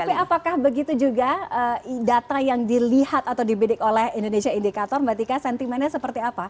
tapi apakah begitu juga data yang dilihat atau dibidik oleh indonesia indikator mbak tika sentimennya seperti apa